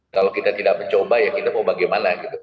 kalau kita tidak mencoba ya kita mau bagaimana